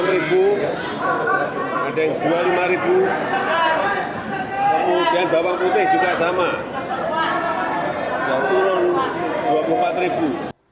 dua puluh enam ribu ada yang dua puluh lima ribu kemudian bawang putih juga sama turun dua puluh empat ribu